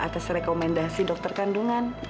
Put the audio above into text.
atas rekomendasi dokter kandungan